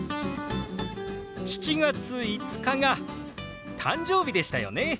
７月５日が誕生日でしたよね。